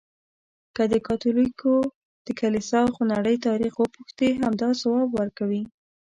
که د کاتولیکو د کلیسا خونړی تاریخ وپوښتې، همدا ځواب ورکوي.